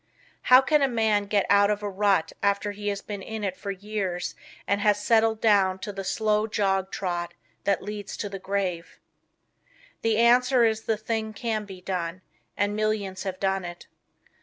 "How can a man get out of a rut after he has been in it for years and has settled down to the slow jog trot that leads to the grave?" The answer is the thing can be done, and millions have done it.